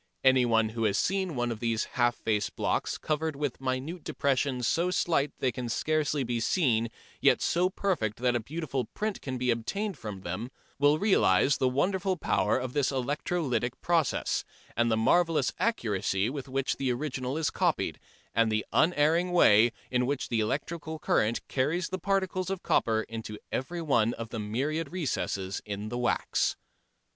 Anyone who has seen one of these "half tone" blocks covered with minute depressions so slight that they can scarcely be seen, yet so perfect that a beautiful print can be obtained from them, will realise the wonderful power of this electrolytic process, the marvellous accuracy with which the original is copied, and the unerring way in which the electric current carries the particles of copper into every one of the myriad recesses in the wax.